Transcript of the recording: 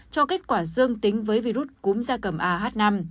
cho kết quả dương tính với virus cúm da cầm ah năm